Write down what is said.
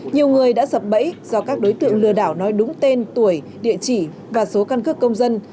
nhiều người đã sập bẫy do các đối tượng lừa đảo nói đúng tên tuổi địa chỉ và số căn cước công dân